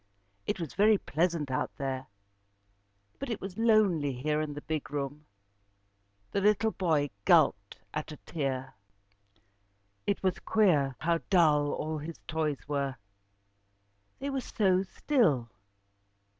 It was very pleasant out there, but it was lonely here in the big room. The little boy gulped at a tear. It was queer how dull all his toys were. They were so still.